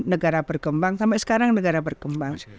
negara berkembang sampai sekarang negara berkembang